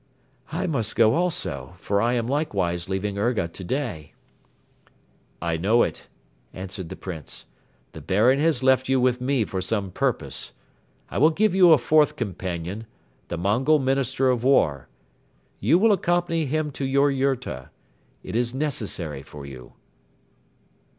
"I must go also, for I am likewise leaving Urga today." "I know it," answered the Prince, "the Baron has left you with me for some purpose. I will give you a fourth companion, the Mongol Minister of War. You will accompany him to your yurta. It is necessary for you.